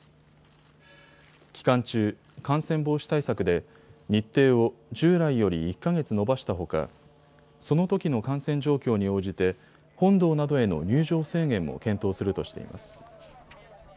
期間中、感染防止対策で日程を従来より１か月延ばしたほかそのときの感染状況に応じて本堂などへの入場制限も検討するとしています。